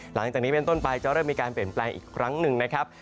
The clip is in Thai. หลังจากนี้เป็นต้นไปจะเริ่มมีการเปลี่ยนแปลงอีกครั้งหนึ่งนะครับ